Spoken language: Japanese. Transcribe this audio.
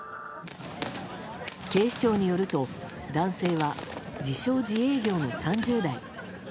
警視庁によると男性は自称自営業の３０代。